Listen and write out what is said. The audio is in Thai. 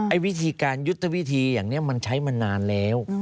วิธีการยุทธวิธีอย่างนี้มันใช้มานานแล้ว